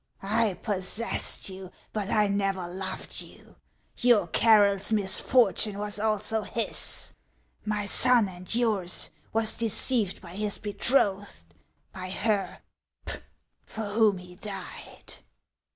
I possessed you, but I never loved you. Your Carroll's misfortune was also his. My son and yours was deceived by his betrothed, by her for whom he died."